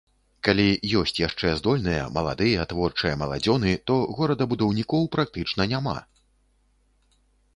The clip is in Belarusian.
Калі ёсць яшчэ здольныя, маладыя, творчыя маладзёны, то горадабудаўнікоў практычна няма.